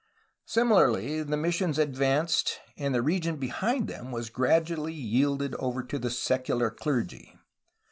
Similarly the missions ad vanced, and the region behind them was gradually yielded over to the secular clergy.